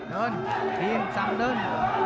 เดินทีมสั่งเดิน